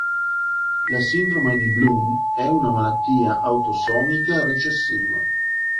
La sindrome di Bloom è una malattia autosomica recessiva.